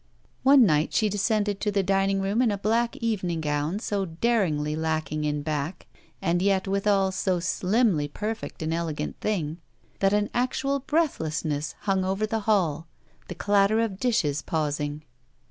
'' One night she descended to the dining room in a black evening gown so daringly lacking in back, and yet, withal, so slimly perfect an elegant thing, that an actual breathlessness himg over the hall, the clatter of dishes pausing.